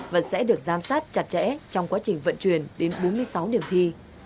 và sẽ được giám sát chặt chẽ trong quá trình vận chuyển đến bốn mươi sáu điểm thi